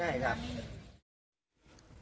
ใช่ครับ